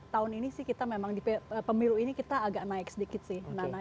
tahun ini sih kita memang di pemilu ini kita agak naik sedikit sih nana